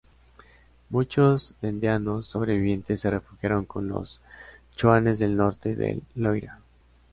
Muchos vandeanos sobrevivientes se refugiaron con los chuanes del norte del Loira.